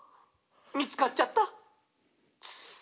みつかっちゃった！」